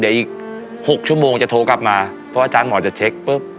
เดี๋ยวอีก๖ชั่วโมงจะโทรกลับมาเพราะอาจารย์หมอจะเช็คปุ๊บ